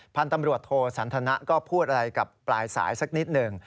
พันธุ์ตำรวจโทสันทนะก็พูดอะไรกับปลายสายสักนิดหนึ่ง